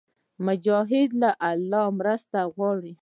مجاهد له الله مرسته غواړي.